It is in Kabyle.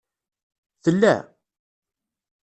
Tella?